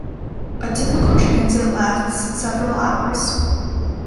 A typical transit lasts several hours.